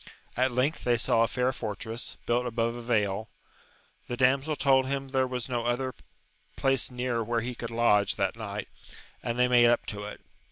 At length they saw a fair fortress, built above a vale ; the damsel told him there was no other place near where he could lodge that night, and they made up to it.